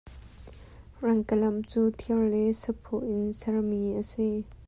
Rangkelamh cu thir le saphaw in sermi a si.